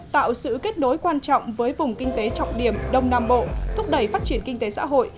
tạo sự kết nối quan trọng với vùng kinh tế trọng điểm đông nam bộ thúc đẩy phát triển kinh tế xã hội